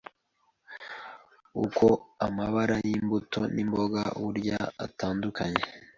uko amabara y’imbuto n’imboga burya atandukanye